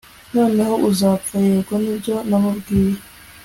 noneho uzapfa. yego, nibyo namubwiye